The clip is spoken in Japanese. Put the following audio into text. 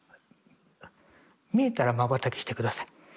見えたらまばたきして下さい。